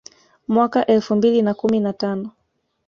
Mwaka elfu mbili na kumi na tano